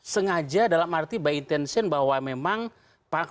sengaja dalam arti by intention bahwa memang pak